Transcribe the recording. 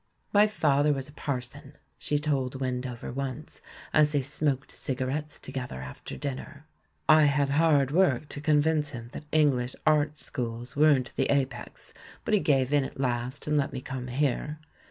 "My father was a parson," she told Wendover once, as they smoked cigarettes together after dinner. "I had hard work to convince him that English art schools weren't the apex, but he gave in at last and let me come here.